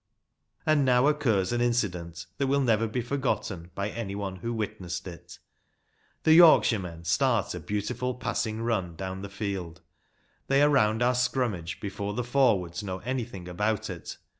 And now occurs an incident that will never be forgotten by any one who witnessed it. The Yorkshiremen start a beautiful passing run down the field. They are round our scrummage before the forwards know anything about it.